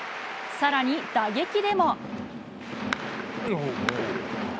さらに打撃でも。